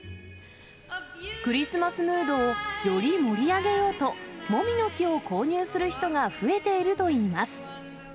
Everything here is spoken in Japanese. クリスマスムードをより盛り上げようと、もみの木を購入する人が増えているといいます。